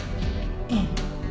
ええ。